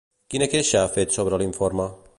Quina queixa ha fet sobre l'informe?